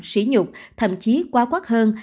xỉ nhục thậm chí quá quát hơn